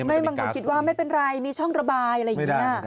บางคนคิดว่าไม่เป็นไรมีช่องระบายอะไรอย่างนี้